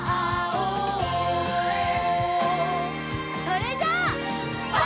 それじゃあ。